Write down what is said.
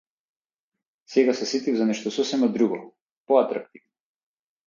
Сега се сетив за нешто сосема друго, поатрактивно.